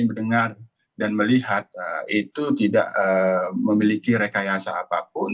mendengar dan melihat itu tidak memiliki rekayasa apapun